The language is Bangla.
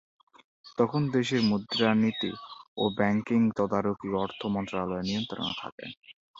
তখন দেশের মুদ্রানীতি ও ব্যাংকিং তদারকি অর্থ মন্ত্রণালয়ের নিয়ন্ত্রণে থাকে।